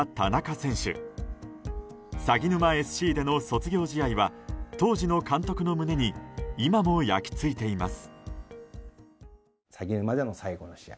さぎぬまＳＣでの卒業試合は当時の監督の胸に今も焼き付いています。